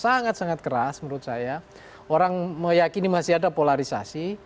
sangat sangat keras menurut saya orang meyakini masih ada polarisasi